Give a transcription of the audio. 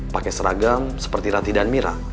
pakai seragam seperti rati dan mira